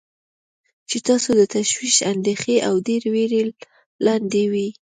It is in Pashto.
چې تاسو د تشویش، اندیښنې او ویرې لاندې وی.